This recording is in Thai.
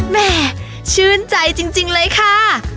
แม่ชื่นใจจริงเลยค่ะ